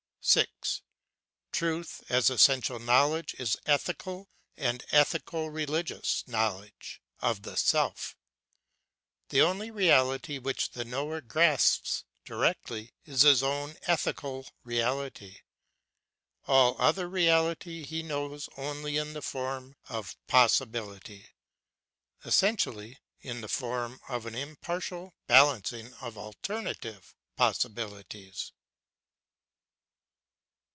6. Truth, as essential knowledge, is ethical and ethico religious knowledge of the self; the only reality which the knower grasps directly is his own ethical reality; all other reality he knows only in the form of possibility, essentially, in the form of an impartial balanc ing of alternative possibilities.